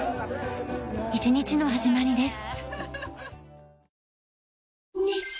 一日の始まりです。